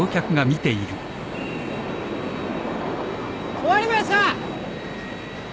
終わりました！